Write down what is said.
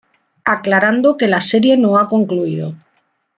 Aclarando que la serie no ha concluido.